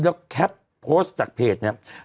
แล้วแคปโพสต์จากเพจเนี่ย